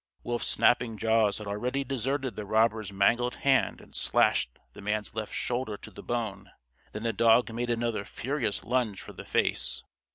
Wolf's snapping jaws had already deserted the robber's mangled hand and slashed the man's left shoulder to the bone. Then the dog made another furious lunge for the face.